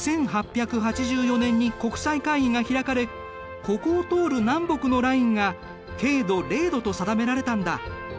１８８４年に国際会議が開かれここを通る南北のラインが経度０度と定められたんだ。